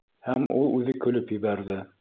Һәм ул үҙе көлөп ебәрҙе.